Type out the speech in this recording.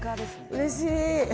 うれしい。